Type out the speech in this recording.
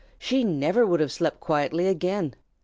She never would have slept quietly again.